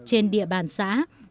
trên địa bàn xã